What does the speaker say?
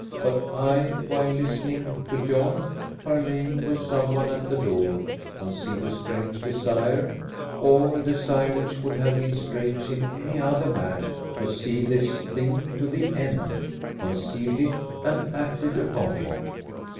But I, while listening to John parleying with some one at the door, conceived a strange desire, or a desire which would have been strange in any other man, to see this thing to the end conceived it and acted upon it.